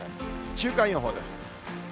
週間予報です。